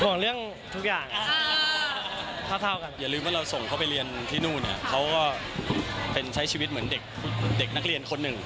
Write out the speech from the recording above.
ห่วงเรื่องทุกอย่างเท่ากันอย่าลืมว่าเราส่งเขาไปเรียนที่นู่นเนี่ยเขาก็เป็นใช้ชีวิตเหมือนเด็กนักเรียนคนหนึ่ง